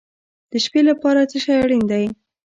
د شپې لپاره څه شی اړین دی؟